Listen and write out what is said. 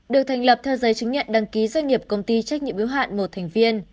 được thành lập theo giấy chứng nhận đăng ký doanh nghiệp công ty trách nhiệm yếu hạn một thành viên